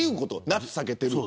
夏を避けている。